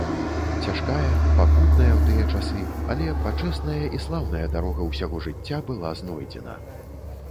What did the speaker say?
Цяжкая, пакутная ў тыя часы, але пачэсная і слаўная дарога ўсяго жыцця была знойдзена.